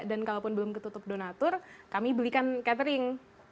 dan kalaupun belum ketutup donatur kami belikan catering